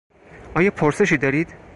آیا پرسشی دارید؟